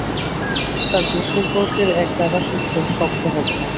তার দূরসম্পর্কের এক দাদাসুদ্ধ সভ্য হবেন।